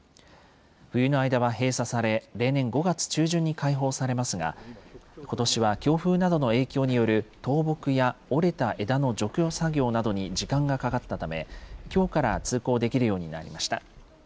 冬の間は閉鎖され、例年５月中旬に開放されますが、ことしは強風などの影響による倒木や、折れた枝の除去作業などに時間がかかったため、きょうから通行できるようになりました。